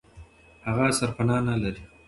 هغه سرپنا نه لري.